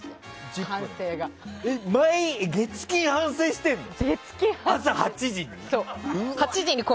月金、反省してるの？